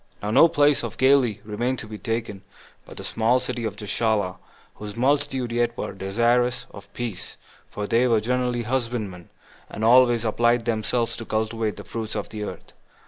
1. Now no place of Galilee remained to be taken but the small city of Gischala, whose multitude yet were desirous of peace; for they were generally husbandmen, and always applied themselves to cultivate the fruits of the earth.